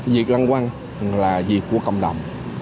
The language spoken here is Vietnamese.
việc lăn quăng là việc của cộng đồng